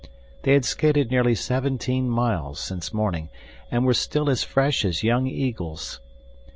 They had skated nearly seventeen miles since morning and were still as fresh as young eagles.